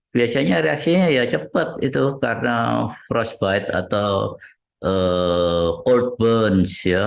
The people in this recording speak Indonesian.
biasanya reaksinya ya cepat itu karena frostpite atau cold burn ya